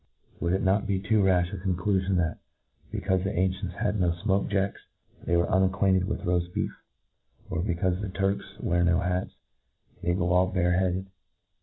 .Would it not be too rafh a con clufion that, becaufe the ancients had i;io fmok^ jacks, they were unacqujunted with roaft beef ?" or, becaufe the Turks wear no hats, they go all bare headed